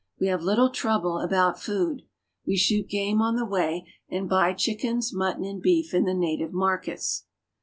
We have little trouble about food. We shoot game on the way, and buy chickens, mutton, and beef in the native markets.